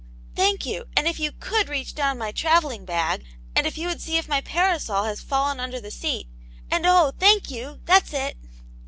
" Thank you ; and if you could reach down my travelling bag, and if you would see if my parasol has fallen under the seat; and, oh, thank you, that's it!"